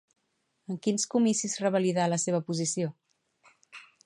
En quins comicis revalidà la seva posició?